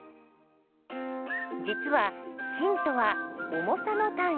実は「斤」とは「重さ」の単位。